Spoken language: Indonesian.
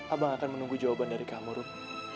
abang akan menunggu jawaban dari kamu rum